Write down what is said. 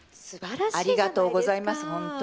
ありがとうございます。